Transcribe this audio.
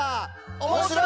おもしろい！